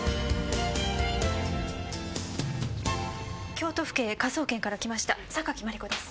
京都府警科捜研から来ました榊マリコです。